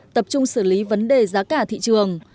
tập trung xử lý vấn đề giá cả thị trường